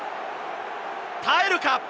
耐えるか？